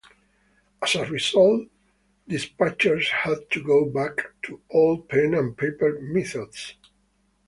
As a result, dispatchers had to go back to old pen-and-paper methods.